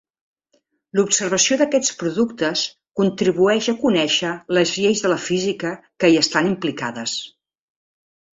L'observació d'aquests productes contribueix a conèixer les lleis de la física que hi estan implicades.